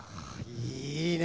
いいね！